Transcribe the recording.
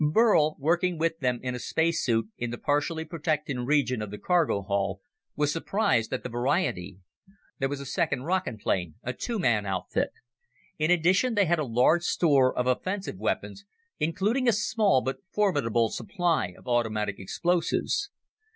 Burl, working with them in a space suit, in the partially protected region of the cargo hull, was surprised at the variety. There was a second rocket plane, a two man outfit. In addition, they had a large store of offensive weapons, including a small but formidable supply of atomic explosives.